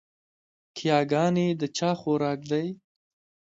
ګياګانې د چا خوراک دے؟